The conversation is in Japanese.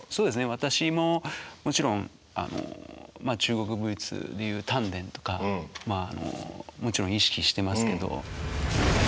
私ももちろん中国武術でいう「丹田」とかもちろん意識してますけど。